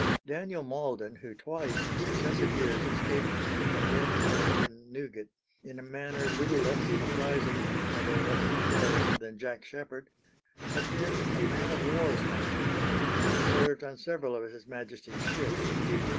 Daniel Malden, who twice in successive years escaped from the condemned hold in Newgate, in a manner little less surprising, although less notorious, than Jack Sheppard, had been a man of war's man, and served on several of his Majesty's ships.